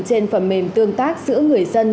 trên phẩm mềm tương tác giữa người dân